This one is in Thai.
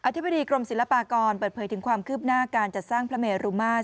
ธิบดีกรมศิลปากรเปิดเผยถึงความคืบหน้าการจัดสร้างพระเมรุมาตร